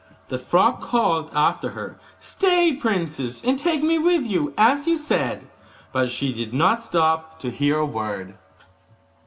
The frog called after her, 'Stay, princess, and take me with you as you said,' But she did not stop to hear a word.